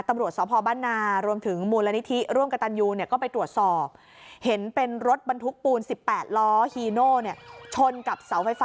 ตำรวจสวพบ้านนารวมถึงมูลนิธิร่วมกับตัญญูเนี่ยก็ไปตรวจสอบ